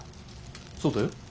そうだよ。